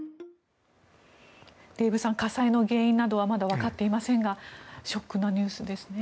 デーブさん火災の原因などはまだわかっていませんがショックなニュースですね。